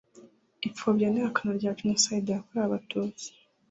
Ipfobya n ihakana rya jenoside yakorewe abatutsi